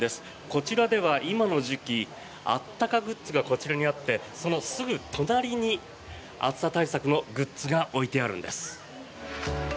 こちらでは今の時期あったかグッズがこちらにあって、そのすぐ隣に暑さ対策のグッズが置いてあるんです。